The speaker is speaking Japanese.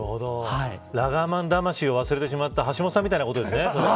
ラガーマン魂を忘れてしまった橋下さんみたいなことですねそれは。